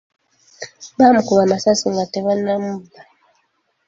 Baamukuba amasasi nga tebannamubba.